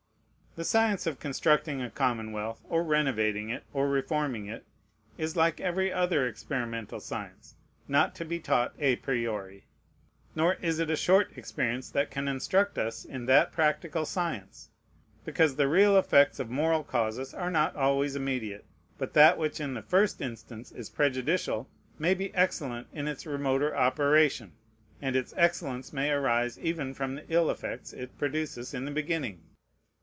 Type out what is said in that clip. The science of constructing a commonwealth, or renovating it, or reforming it, is, like every other experimental science, not to be taught a priori. Nor is it a short experience that can instruct us in that practical science; because the real effects of moral causes are not always immediate, but that which in the first instance is prejudicial may be excellent in its remoter operation, and its excellence may arise even from the ill effects it produces in the beginning.